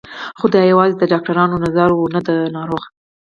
خو دا یوازې د ډاکترانو نظر و نه د ناروغ